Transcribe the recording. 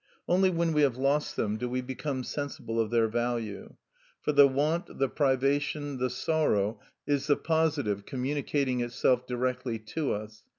Only when we have lost them do we become sensible of their value; for the want, the privation, the sorrow, is the positive, communicating itself directly to us.